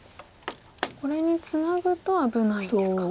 これにツナぐと危ないんですか。